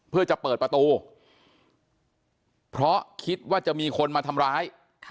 เพื่อจะเปิดประตูเพราะคิดว่าจะมีคนมาทำร้าย